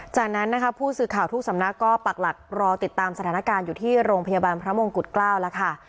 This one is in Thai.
จากนั้นนะคะผู้สื่อข่าวทุกสำนักก็ปักหลักรอติดตามสถานการณ์อยู่ที่โรงพยาบาลพระมงกุฎเกล้าแล้วค่ะ